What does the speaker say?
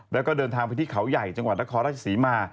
แล้วก็เดินทางไปที่เขาใหญ่จังหวัดนครราชศรีมา